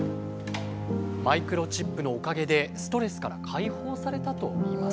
マイクロチップのおかげでストレスから解放されたといいます。